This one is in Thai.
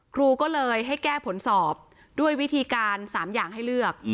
ครูก็เลยให้แก้ผลสอบด้วยวิธีการ๓อย่างให้เลือก